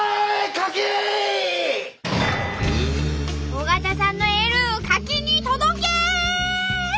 尾形さんのエールかきに届け！